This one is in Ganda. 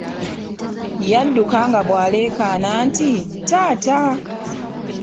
Yadduka nga bw'aleekaana nti, taata!